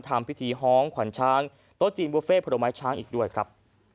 ทำพิธีฮ้องขวัญช้างโต๊ะจีนบุฟเฟ่ผลไม้ช้างอีกด้วยครับ